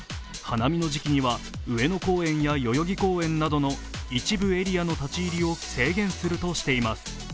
花見の時期には、上野公園や代々木公園などの一部エリアの立ち入りを制限するとしています。